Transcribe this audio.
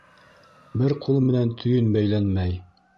Бер ҡул менән төйөн бәйләнмәй.